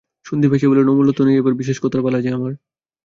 সন্দীপ হেসে বললে, অমূল্য তো নেই, এবারে বিশেষ কথার পালা যে আমার।